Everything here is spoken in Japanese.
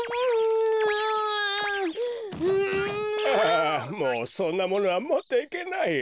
あもうそんなものはもっていけないよ。